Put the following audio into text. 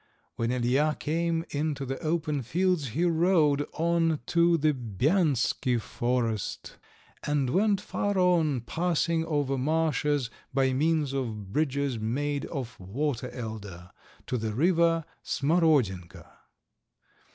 When Ilija came into the open fields he rode on to the Bianski forest, and went far on, passing over marshes, by means of bridges made of water elder, to the river Smarodienka.